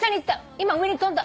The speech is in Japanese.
今上に飛んだ。